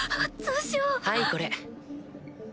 はいこれ。